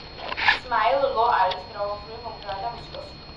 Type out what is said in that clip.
ისმაელ ლო არის მრავალმხრივი მომღერალი და მუსიკოსი.